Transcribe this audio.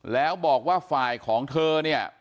แล้วบอกว่าฝ่ายของเธอเนี่ย